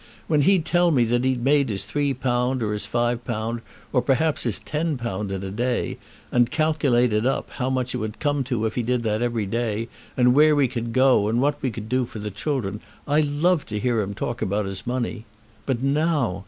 When he'd tell me that he'd made his three pound, or his five pound, or, perhaps, his ten pound in a day, and'd calculate it up, how much it'd come to if he did that every day, and where we could go to, and what we could do for the children, I loved to hear him talk about his money. But now